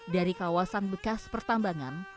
dari kawasan bekas pertambangan